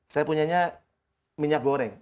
saya punya minyak goreng